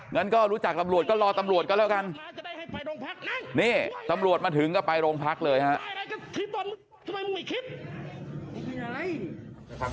งั้นก็รู้จักตำรวจก็รอตำรวจก็แล้วกันนี่ตำรวจมาถึงก็ไปโรงพักเลยฮะ